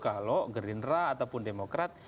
kalau gerindra ataupun demokrat